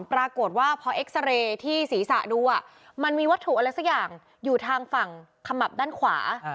ปรากฏว่าพอเอ็กซาเรย์ที่ศีรษะดูมันมีวัตถุอะไรสักอย่างอยู่ทางฝั่งขมับด้านขวา